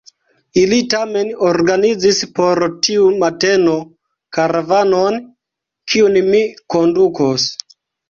Ili tamen organizis por tiu mateno karavanon, kiun mi kondukos.